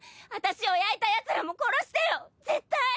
あたしを焼いたやつらも殺してよ絶対！